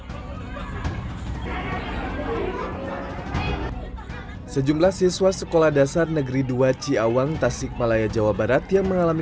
hai sejumlah siswa sekolah dasar negeri dua ciawang tasikmalaya jawa barat yang mengalami